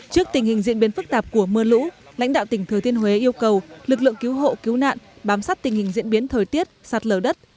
trước tình hình diễn biến phức tạp của mưa lũ lãnh đạo tỉnh thừa thiên huế yêu cầu lực lượng cứu hộ cứu nạn bám sát tình hình diễn biến thời tiết sạt lở đất